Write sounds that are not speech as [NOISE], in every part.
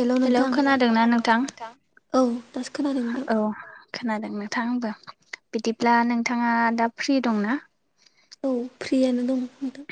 Hello नोंथां hello खोनादों ना नोंथां? औ दासो खोनादों नोंथां। औ खोनादों नोंथां आंबो बिदिब्ला नोंथाङा दा फ्रि दंना। औ फ्रियानो दं नोंथां।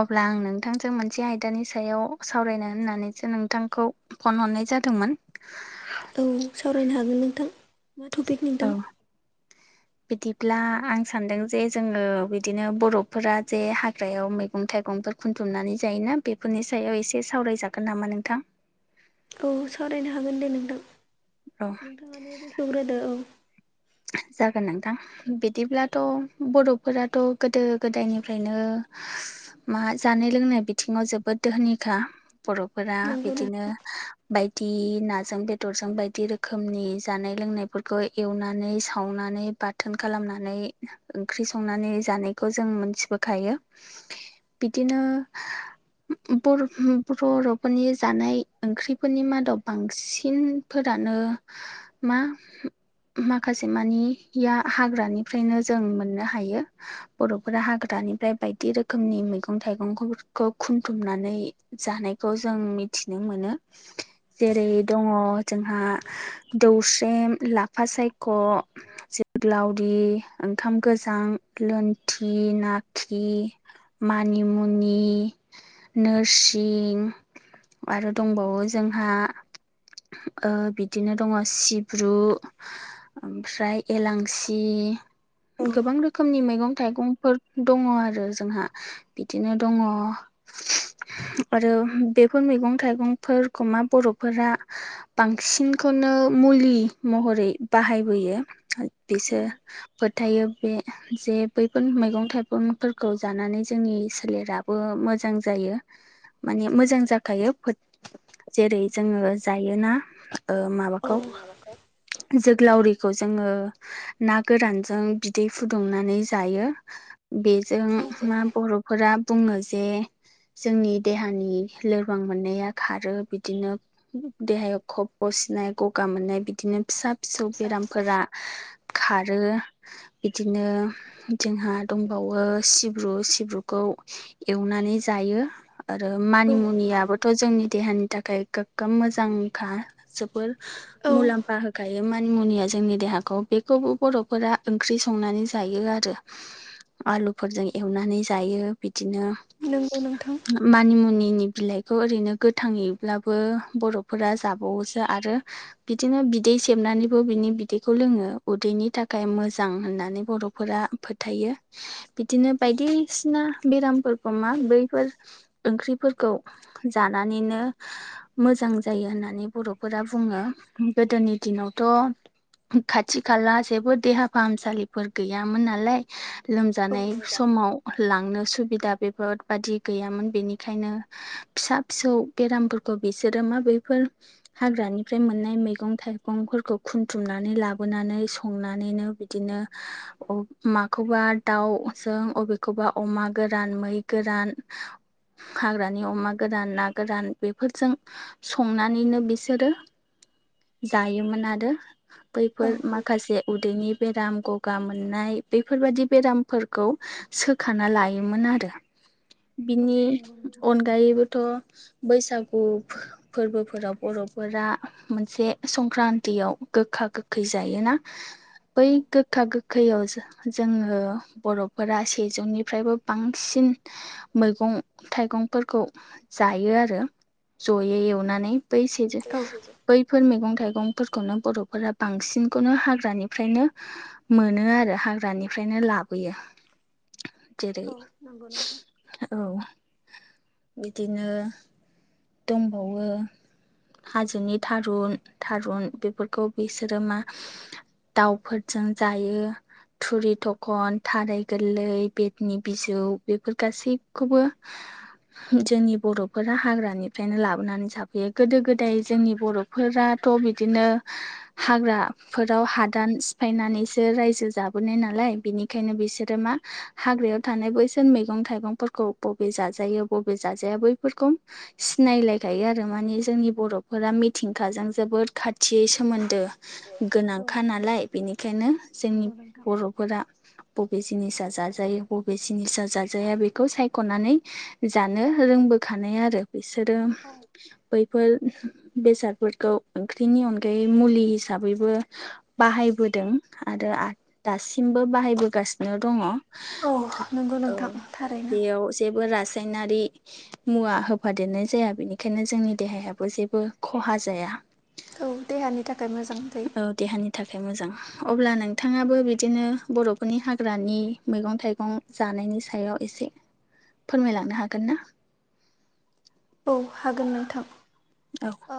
अब्ला आं नोंथांजों मोनसे आयदानि सायाव सावरायनो होननानैसो नोंथांखौ फन हरनाय जादोंमोन। औ सावरायनो हागोन नोंथां मा टपिक औ नोंथां? [INAUDIBLE] बिदिब्ला आं सानदों जे जोङो बिदिनो बर'फोरा जे हाग्रायाव मैगं थाइगं खनथुमनानै जायोना बेफोरनि सायाव एसे सावरायजागोन नामा नोंथां? औ सावरायनो हागोन दे नोंथां औ नोंथाङानो बेखेवग्रोदो औ। जागोन नोंथां। बिदिब्लाथ' बर'फोराथ' गोदो गोदायनिफ्रायनो मा जानाय लोंनाय बिथिङाव जोबोद दोहोनिखा बर'फोरा नंगौ नों बिदिनो बायदि नाजों बेदरजों बायदि रोखोमनि जानाय लोंनायफोरखौ एवना नै सावनानै बाथोन खालामनानै ओंख्रि संनानै जानायखौ जों मोनथिबोखायो। बिदिनो बर' बर' नखरनि जानाय ओंख्रिफोरनि मादाव बांसिन फोरानो मा माखासे मानिया हाग्रानिफ्रायनो जों मोननो हायो। बर'फोरा हाग्रानिफ्राय बायदि रोखोमनि मैगं थाइगंफोरखौ खुमथुमनानै जानायखौ जों मिथिनो मोनो जेरै दङ जोंहा दौसेरेम लाख फासायख' जोग्लाउरि ओंखाम गोजां लोनथि नाथि मानिमुनि नोरसिं आरो दंबावो जोंहा ओ बिदिनो दङ सिब्रु ओमफ्राय एलांसि औ गोबां रोखोमनि मैगं थाइगंफोर दङ आरो जोंहा बिदिनो दङ। आरो बेफोर मैगं थाइगंफोरखौ मा बर'फोरा बांसिनखौनो मुलि महरै बाहायबोयो बिसोर फोथायो बे जे बैफोर मैगं थाइगंफोरखौ जानानै जोंनि सोलेराबो मोजां जायो। माने मोजां जाखायो जेरै जोङो जायोना ओ औ माबाखौ जोग्लावरिखौ जोङो ना गोरानजों बिदै फुदुंनानै जायो बेजों मा बर' फोरा बुंङो जे जोंनि देहानि लोरबां मोननाया खारो बिदिनो देहायाव खब फसिनाय गगा मोननाय बिदिनो फिसा फिसौ बेरामफोरा खारो इदिनो जोंहा दंबावो सिब्रु सिब्रुखौ एवनानै जायो। आरो औ नंगौ मानिमुनियाबोथ' नोंथां जोंनि देहानि थाखाय गोगोम मोजांखा जोबोर औ मुलाम्फा होखायो मानि मुनिया जोंनि देहाखौ बेखौबो बर'फोरा ओंख्रि संनानै जायो आरो। आलुफोरजों एवनानै जायो बिदिनो नोंगौ नोंथां मानिमुनिनि बिलाइखौ ओरैनो गोथांङैब्लाबो बर'फोरा जाबावोसो आरो बिदिनो बि बिदै सेबनानैबो बिनि बिदैखौ लोंङो उदैनि थाखाय मोजां होननानै बर'फोरा फोथायो। बिदिनो औ बायदिसिना बेरामफोरखौ मा बैफोर ओंख्रिफोरखौ जानानैनो मोजां जायो होननानै बर'फोरा बुङो गोदोनि दिनावथ' खाथि खाला जेबो देहा फाहामसालिफोर गैयामोन नालाय औ नंगौ नोंथां लोमजानाय समाव लांनो सुबिदा बेफोरबादि गैयामोन बेनिखायनो फिसा फिसौ बेरामफोरखौ बिसोरो माबैफोर हाग्रानिफ्राय मोननाय मैगं थाइग फोरखौ खुथुमनानै लाबोनानै संनानैनो बिदिनो माखौबा दाउजों अबेखौबा अमा गोरान मै गोरान हाग्रानि अमा गोदान ना गोरान बेफोरजों संनानैनो बिसोरो जायोमोन आरो बैफोर माखासे उदैनि बेरामखौ गगा मोननाय बेफोरबादि बेरामफोरखौ सोखाना लायोमोन आरो। बिनि अन गायैबोथ' बैसागु फोरबोफोराव बर'फोरा मोनसे संक्रान्तियाव गोखा गोखै जायोना बै गोखा गोखैयाव जोंङो बर'फोरा सेजौनिफ्रायबो बांसिन मैगं - थाइगंफोरखौ जायो आरो जयै एवनानै। फैसे ज बैफोर मैगं थाइगंफोरखौनो बर'फोरा बांसिनखौनो हाग्रानिफ्रायनो मोनो आरो हाग्रानिफ्रायनो लाबोयो औ जेरै नंगौ औ बिदिनो दंबावो हाजोनि थारुन थारुन बेफोरखौ बिसोरो मा दाउफोरजों जायो। थुरि थखन, थारै गोरलै, बेदनि बिजौ बेफोर गासैखौबो जोंनि बर'फोरा हाग्रानिफ्रायनो लाबोनानै जाफैयो गोदो गोदाय जोंनि बर'फोरा थ' बिदिनो हाग्राफोराव हादान सिफायनानैसो रायजो जाबोनाय नालाय बिनिखायनो बिसोरो मा हाग्रायाव थानाय बैसोर मैगं थाइगंफोरखौ बबे जाजायो बबे जाजाया बैफोरखौ सिनायलायखायो आरो माने जोंनि बर'फोरा मिथिंखाजों जोबोद खाथियै सोमोन्दो गोनांखा नालाय बेनिखायनो जोंनि नोंथां बर' फोरा बबे जिनिसा जाजायो बबे जिनिसा जाजाया बेखौ सायख'नानै जानो रोंबोखानाय आरो। बिसोरो बैफोर बेसादफोरखौ ओंख्रिनि अनगायै मुलि हिसाबैबो बाहायबोदों आरो दासिमबो बाहायबोगासिनो दङ औ औ नंगौ नोंथां थारैनो बेयाव जेबो रासायनारि मुवा होफादेरनाय जाया बेनिखायनो जोंनि देहायाबो जेबो खहा जाया। औ देहानि थाखाय मोजां थै औ देहानि थाखाय मोजां। अब्ला नोंथाङाबो बिदिनो बर'फोरनि हाग्रानि मैगं- थाइगं जानायनि सायाव एसे फोरमायलांनो हागोन ना? औ हागोन नोंथां। औ। ओ‌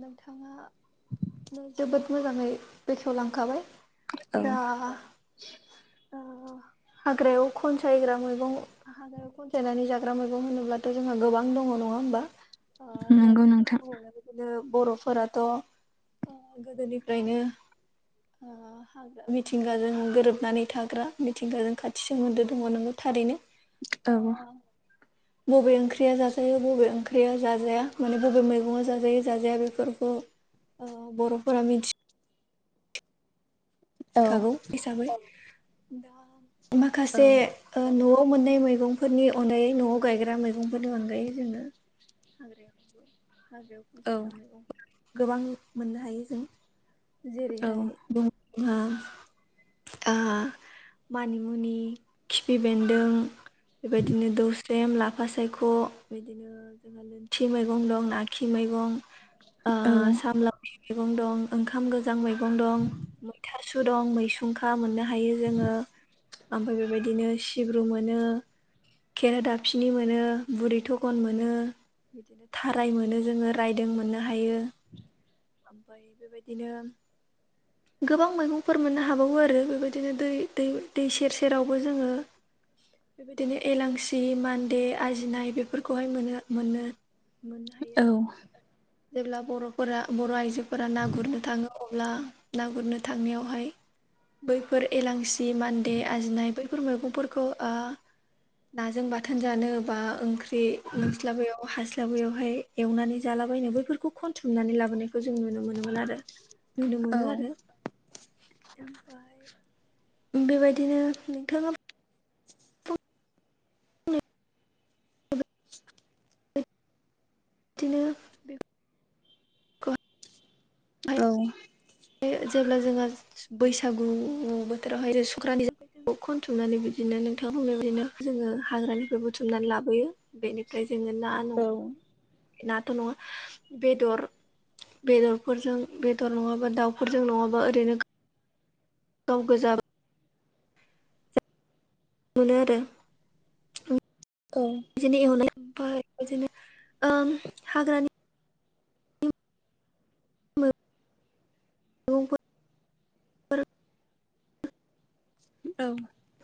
नोंथाङानो जोबोद मोजाङै बेखेवलांखाबाय। औ दा ओ [INAUDIBLE] हाग्रायाव खन सायग्रा मैगं आरो खनसायनानै जाग्रा मैगं होनोब्लाथ' जोंहा गोबां दङ नङा होमबा दहाय नंगौ नोंथां बिदिनो बर'फोराथ' गोदोनिफ्रायनो ओ [INAUDIBLE] हाग्रा मिथिंगाजों गोरोबनानै थाग्रा मिथिंगाजों खाथि सोमोन्दो दङ नोंगौ थारैनो औ अ' बबे ओंख्रिया जाजायो बबे ओंख्रिया जाजाया माने बबे मै जाजायो जाजाया बेफोरखौ बर'फोरा मिथि औ खागौ हिसाबै दा औ माखासे ओ न'आव मोननाय मैगंफोरनि अनगायै न'आव गायग्रा मैगंफोरनि अनगायै जोङो [UNINTELLIGIBLE] [UNINTELLIGIBLE] गोबां मोननो हायो जों जेरैहाय हा [UNINTELLIGIBLE] आ मानिमुनि खिफि बेन्दों बेबायदिनो दौस्रेम लाफा सायख' बिदिनो जोंहा लोनथि मैगं दं आाखि मैगं ओ‌ सामलां मैगं दं ओंखाम गोजां मैगं दं थास' दं मैसुंखा मोननो हायो जोङो। ओमफ्राय बेबायदिनो सिब्रु मोनो। खेरा दाफिनि मोनो बुरि थगन मोनो थाराय मोनो जोङो रायदों मोननो हायो। ओमफ्राय बे बायदिनो। गोबां मैगंफोर मोननो हाबावो आरो बे बायदिनो दै दै सेर सेरावबो जोङो। [INAUDIBLE] बे बायदिनो एलांसि, मान्दे, आजिनाय बेफोरखौहाय मोनो मोनो। औ जेब्ला बर'फोरा, बर' आइजोफोरा ना गुरनो थाङो अब्ला ना गुरनो थांनायावहाय [INAUDIBLE] बैफोर एलांसि, मान्दे, आजिनाय बैफोर मैगंफोरखौ ओ नाजों बाथोन जानो बा ओंख्रि मोनस्लाबियाव हास्लाबियावहाय एवनानै जाला [UNINTELLIGIBLE] बैफोरखौ खनथुमनानै लाबोनाय जों नुनो मोन नुनो मोन आरो। [UNINTELLIGIBLE] बेबायदिनो नोंथाङाबो [UNINTELLIGIBLE] बिदिनो बिदिनो औ बे जेब्ला जोङो बैसागु बोथोरावहाय सुक्रानि जायो खनथुमनानै बिदिनो नोंथां होननाय बायदिनो जोङो हाग्रानिफ्राय बुथुमनानै लाबोयो बेनि ओमफ्राय जोङो ना न नाथ' नङा बेदर बेदरफोरजों, बेदर नङाबा दाउफोरजों नङाबा ओरैनो गाव गोजा मोनो आरो औ बिदिनो एवनाय ओमफ्राय बिदिनो ओ हाग्रानि औ [UNINTELLIGIBLE] औ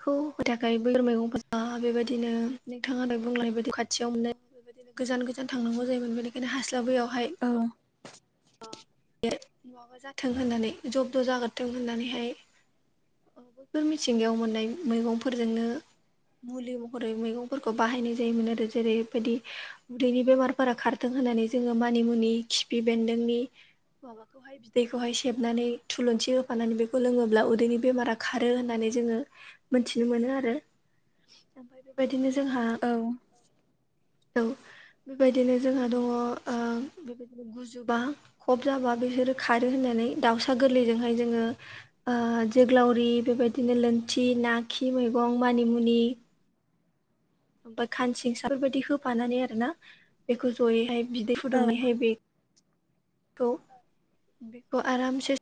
खौ हो थाखाय बै मैगं फोरा बेबायदिनो नोंथाङा दहाय बुंलांनायबायदि खाथियाव मोनो। गोजान गोजान थांनांगौ जायोन बेनिखायनो हास्लाबैयावहाय औ बे नङाबा जाथों होननानै जबद जाग्रथों होननानैहाय। बैफोर मिथिंगायाव मोननाय मैगंफोरजोंनो मुलि महरै मैगंफोरखौ बाहायनाय जायोमोन आरो जेरैबायदि उदैनि बेमारफोरा खारथों होननानै जोङो मानिमुनि खिफि बेन्दोंनि माबाखौहाय बिदैखौहाय सेबनानै थुलुंसि होफानानै बेखौ लोङोब्ला उदैनि बेमारा खारो होननानै जोङो‌ मोनथिनो मोनो आरो ओमफ्राय बेबायदिनो जोंहा औ, बे बायदिनो जोंहा दङ ओ बे बायदिनो गुजुबा कब जाबा बिसोरो खारो होननानै दाउसा गोरलैजोंहाय जोङो ओ जोग्लावरि बेबायदिनो लोनथि, ना खि मैगं, मानिमुनि ओमफ्राय खानसिंसा बेफोरबायदि होफानानै आरो ना बेखौ जयैहाय बिदै औ फुदुंनायहाय बे खौ बेखौ आरामसे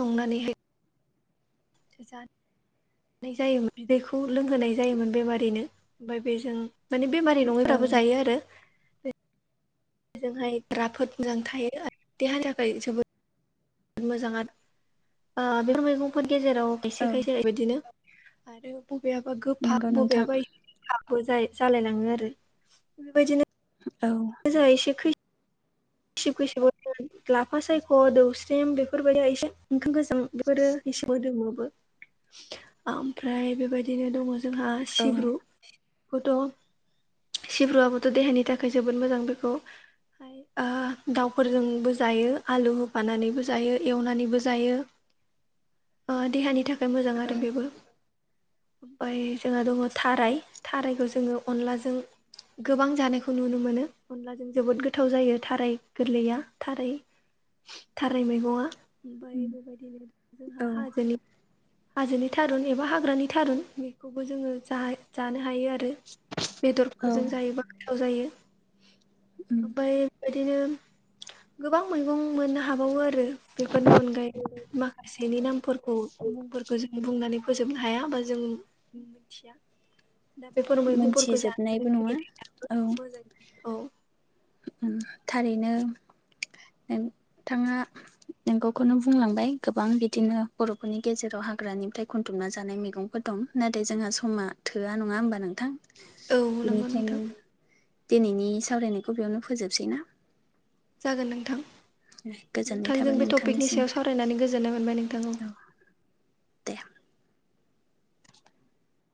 संनानै हाय [UNINTELLIGIBLE] जायोमोन बिदैखौ लोंहोनाय जायोमोन बेमारिनो ओमफ्राय बेजों माने बेमारि औ नङैफ्राबो जायो आरो। बेजोंहाय राफोद मोजां थायो आरो देहानि थाखाय जोबोद मोजाङानो ओ बेफोर मैगंफोर गेजेराव एसे औ गाय जानाय बायदिनो आरो बबेयाबा गोफां नंगौ नोंथां बबेयाबा हाग जाय जालायलाङो आरो बेबायदिनो औ मोजा एसे खैस [UNINTELLIGIBLE] खैसिब खैसिबाव लाफा सायख', दौस्रिम बेफोरबायदिया एसे मोखां गोजों बेफोरो एसे मोदोमोबो ओमफ्राय बेबायदिनो दङ जोंहा औ सिब्रु खौथ' सिब्रुआबोथ' देहानि थाखाय जोबोद मोजां बेखौ ओ दाउफोरजोंबो जायो आलु होफानानैबो जायो एवनानैबो जायो। ओ देहानि थाखाय मोजां आरो बेबो। ओमफ्राय जोंहा दङ थाराय थारायखौ जोङो अनलाजों गोबां जानायखौ नुनो मोनो अनलाजों जोबोद गोथाव जायो। थाराय गोरलैया थाराय थाराय मैगंआ ओमफ्राय बेबायदिनो जोंहा हाजोनि हाजोनि थारुन एबा हाग्रानि थारुन बेखौबो जोङो जा जानो हायो आरो। औ बेदरफोरजों जायोबा गोथाव जायो ओमफाय बायदिनो गोबां मैगं मोननो हाबावो आरो। बेफोरनि अनगायै माखासेनि नामफोरखौ मुंफोरखौ जों बुंनानै फोजोबनो हाया बा जों मिथिया। दा बेफोर मैगंफोरखौ जानानै मोनथिजोबनायबो नङा जोंनि देहायाबो मोजां जायो। औ उम थारैनो नोंथांङा नोंगौखौनो बुंलांबाय गोबां बिदिनो बर'फोरनि गेजेराव हाग्रानिफ्राय खुन्थुमना जानाय मैगंफोर दं। नाथाय जोंहा समा थोआ। नङा होमबा नोंथां? औ नंगौ नोंथां बेनिखायनो दिनैनि सावरायनायखौ बेयावनो फोजोबसै ना? जागोन नोंथां। गोजोननाय थाबाय नोंथांजों बे टपिकनि नोंथांनिसिम सायाव सावरायनानै गोजोननाय मोनबाय नोंथां औ। दे